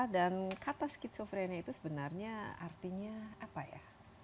dan kata skizofrenia itu sebenarnya artinya apa ya